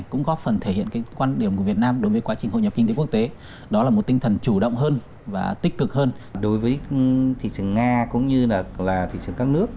cũng như là thị trường các nước